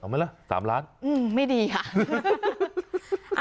ทั้งหมด๓ล้านไม่ดีค่ะ